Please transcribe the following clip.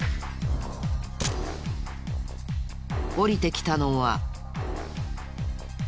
降りてきたのは。